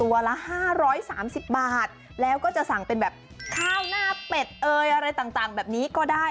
ตัวละห้าร้อยสามสิบบาทแล้วก็จะสั่งเป็นแบบข้าวหน้าเป็ดเอ่ยอะไรต่างต่างแบบนี้ก็ได้